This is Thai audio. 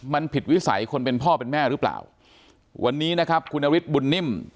มันผิดวิสัยคนเป็นพ่อเป็นแม่หรือเปล่าวันนี้นะครับคุณนฤทธิบุญนิ่ม